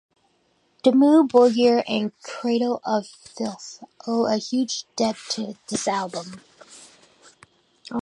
Dimmu Borgir and Cradle of Filth owe a huge debt to this album.